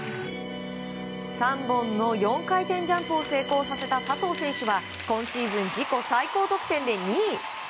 ３本の４回転ジャンプを成功させた佐藤選手は今シーズン自己最高得点で２位。